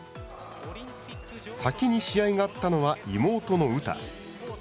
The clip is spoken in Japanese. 先に試合があったのは、妹の詩。